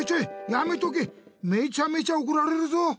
やめとけめちゃめちゃおこられるぞ！